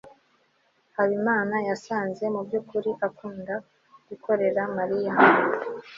habimana yasanze mubyukuri akunda gukorera mariya